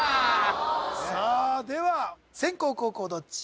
さあでは先攻後攻どっち？